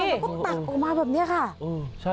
ตัดออกมาแบบนี้ค่ะ